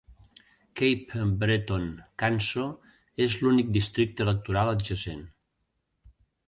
Cape Breton-Canso és l'únic districte electoral adjacent.